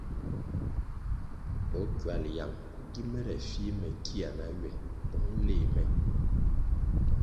O ckywal yang gi mere fih me kia na ywe bong léh me?